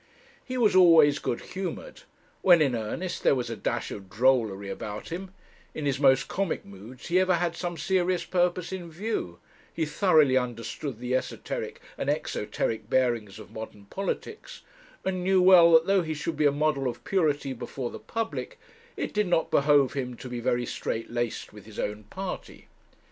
He was always good humoured; when in earnest, there was a dash of drollery about him; in his most comic moods he ever had some serious purpose in view; he thoroughly understood the esoteric and exoteric bearings of modern politics, and knew well that though he should be a model of purity before the public, it did not behove him to be very strait laced with his own party.